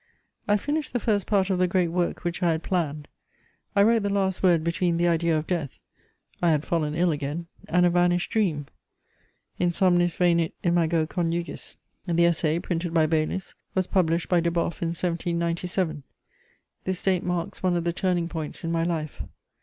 I finished the first part of the great work which I had planned; I wrote the last word between the idea of death (I had fallen ill again) and a vanished dream: In somnis venit imago conjugis. The Essai, printed by Baylis, was published by Deboffe in 1797. This date marks one of the turning points in my life.